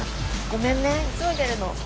ごめんね急いでるの。